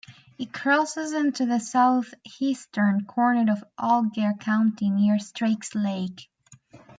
It crosses into the southeastern corner of Alger County near Straits Lake.